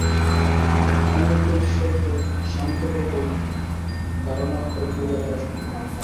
অনন্ত ঈশ্বরকে সান্তরূপেই ধারণা ও পূজা করা সম্ভব।